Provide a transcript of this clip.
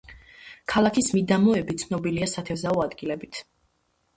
ქალაქის მიდამოები ცნობილია სათევზაო ადგილებით.